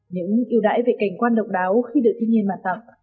những yêu đáy về cảnh quan độc đáo khi được thiên nhiên mà tặng